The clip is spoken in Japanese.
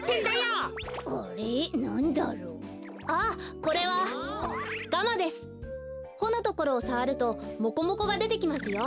ほのところをさわるとモコモコがでてきますよ。